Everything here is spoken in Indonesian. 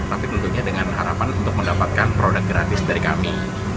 tapi tentunya dengan harapan untuk mendapatkan produk gratis dari kami